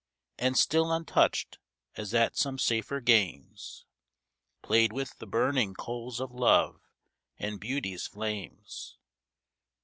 And still untouched, as at some safer games, Played with the burning coals of love, and beauty's flames?